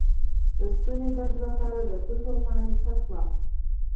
د ستوني درد لپاره د توت پاڼې څه کړم؟